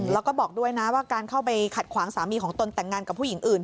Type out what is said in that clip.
แล้วก็บอกด้วยนะว่าการเข้าไปขัดขวางสามีของตนแต่งงานกับผู้หญิงอื่น